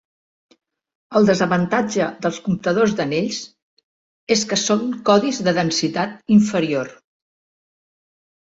El desavantatge dels comptadors d'anells és que són codis de densitat inferior.